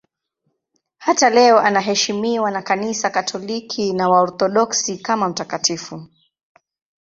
Hata leo anaheshimiwa na Kanisa Katoliki na Waorthodoksi kama mtakatifu.